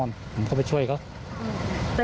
นานเขาไปช่วยเขา